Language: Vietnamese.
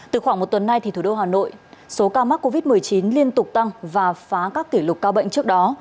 từ khoảng một tuần nay thì thủ đô hà nội số ca mắc covid một mươi chín liên tục tăng và phá các kỷ lục ca bệnh trước đó